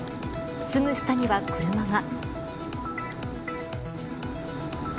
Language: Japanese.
すぐ下には車が。